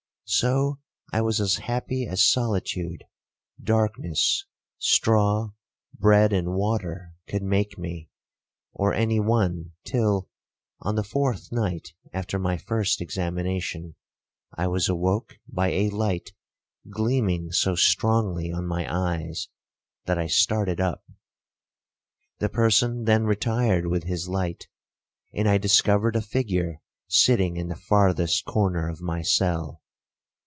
So I was as happy as solitude, darkness, straw, bread, and water, could make me, or any one, till, on the fourth night after my first examination, I was awoke by a light gleaming so strongly on my eyes, that I started up. The person then retired with his light, and I discovered a figure sitting in the farthest corner of my cell.